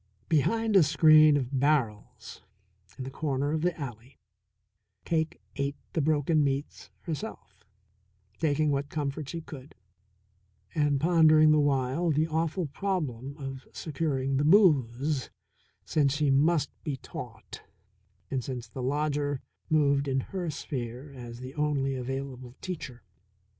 Behind a screen of barrels in the corner of the alley Cake ate the broken meats herself, taking what comfort she could, and pondering the while the awful problem of securing the booze, since she must be taught, and since the lodger moved in her sphere as the only available teacher.